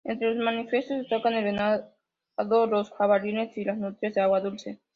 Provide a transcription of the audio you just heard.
Entre los mamíferos destacan el venado, los jabalíes y las nutrias de agua dulce.